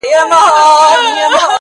بهرني نظرونه موضوع زياتوي نور,